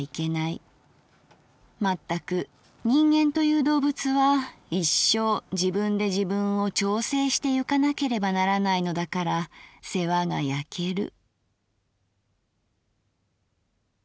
まったく人間という動物は一生自分で自分を調整してゆかなければならないのだから世話がやける」。